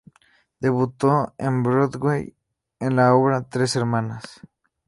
Debutó en Broadway en la obra "Tres hermanas".